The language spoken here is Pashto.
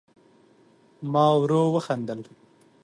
ما ورو وخندل